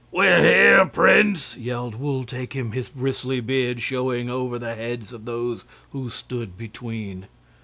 "We're here, Prince!" yelled Wul Takim, his bristly beard showing over the heads of those who stood between.